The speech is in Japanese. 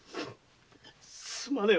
すまねぇ。